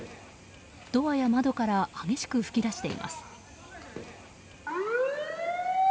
ドアや窓から激しく噴き出しています。